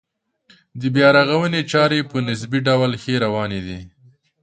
د بیا رغونې چارې په نسبي ډول ښې روانې دي.